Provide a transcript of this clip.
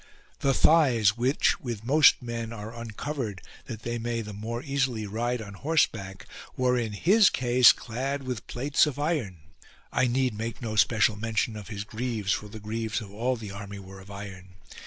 The thighs, which with most men are uncovered that they may the more easily ride on horseback, were in his case clad with plates of iron : I need make no special mention of his greaves, for the greaves of all the army were of iron.